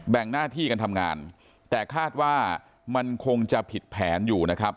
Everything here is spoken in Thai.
งหน้าที่กันทำงานแต่คาดว่ามันคงจะผิดแผนอยู่นะครับ